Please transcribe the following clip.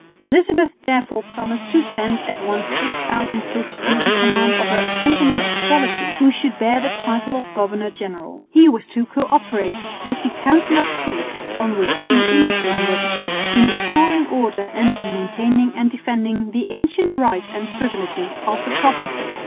Elizabeth therefore promised to send at once 6000 troops under the command of a "gentleman of quality," who should bear the title of governor general. He was to co operate with the Council of State (on which two Englishmen were to sit) in restoring order and in maintaining and defending the ancient rights and privileges of the provinces.